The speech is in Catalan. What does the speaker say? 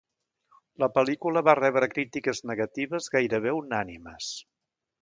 La pel·lícula va rebre critiques negatives gairebé unànimes.